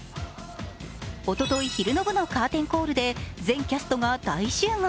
おととい昼の部のカーテンコールで全キャストが大集合。